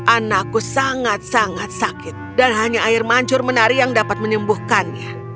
anakku sangat sangat sakit dan hanya air mancur menari yang dapat menyembuhkannya